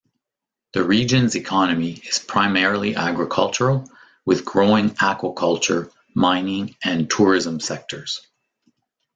The region's economy is primarily agricultural, with growing aquaculture, mining and tourism sectors.